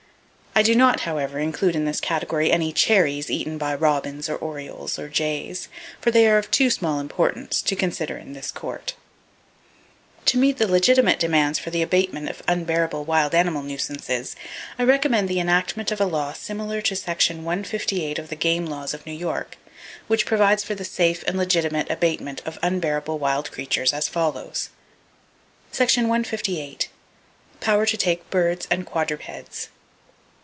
I do not, however, include in this category any cherries eaten by robins, or orioles, or jays; for they are of too small importance to consider in this court. [Page 235] A FOOD SUPPLY OF WHITE TAILED DEER The Killing of the Does was Wrong To meet the legitimate demands for the abatement of unbearable wild animal nuisances, I recommend the enactment of a law similar to Section 158 of the Game laws of New York, which provides for the safe and legitimate abatement of unbearable wild creatures as follows: Section 158. Power to Take Birds and Quadrupeds.